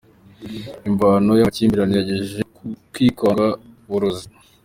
Imvano y’amakimbirane yagejeje ku kwikanga uburozi.